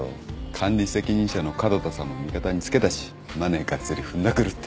管理責任者の門田さんも味方に付けたしマネーがっつりふんだくるって。